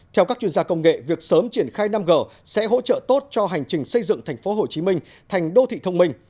theo các chuyên gia công nghệ việc sớm triển khai năm g sẽ hỗ trợ tốt cho hành trình xây dựng tp hcm thành đô thị thông minh